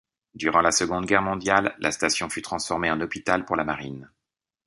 Durant la Seconde Guerre mondiale, la station fut transformée en hôpital pour la marine.